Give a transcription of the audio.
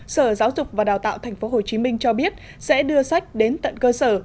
sở giáo dục và đào tạo tp hcm cho biết sẽ đưa sách đến tận cơ sở